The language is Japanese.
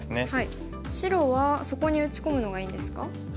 白はそこに打ち込むのがいいんですか？